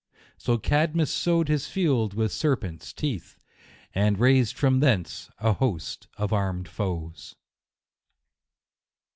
So Cadmus sowed his field with ser pents' teeth, and raised from thence a host of armed foes.